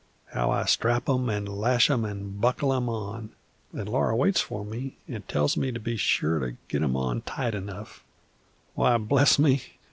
How I strap 'em and lash 'em and buckle 'em on! An' Laura waits for me an' tells me to be sure to get 'em on tight enough, why, bless me!